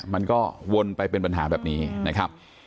มันก็วนไปเป็นปัญหาแบบนี้นะครับ